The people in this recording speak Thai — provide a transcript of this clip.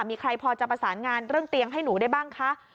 มีใครพอจะประสานงานเรื่องเตียงให้หนูได้บ้างคะ